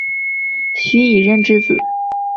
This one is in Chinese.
徐以任之子。